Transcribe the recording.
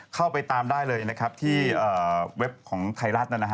เข้าไปตามได้เลยนะครับที่เว็บของไทยรัฐ